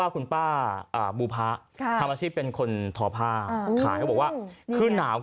เอาไปให้เขา